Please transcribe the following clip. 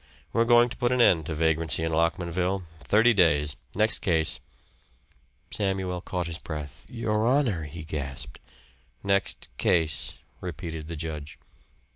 We're going to put an end to vagrancy in Lockmanville. Thirty days. Next case." Samuel caught his breath. "Your honor," he gasped. "Next case," repeated the judge.